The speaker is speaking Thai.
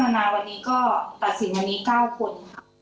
แล้วพิจารณาวันนี้ก็ตัดสินวันนี้๙คนค่ะ